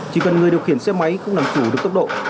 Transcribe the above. chỉ cần người điều khiển xe máy không làm chủ được tốc độ